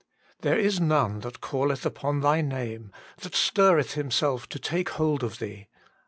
"There is none that calleth upon Thy name, that stirreth himself to take hold of Thee."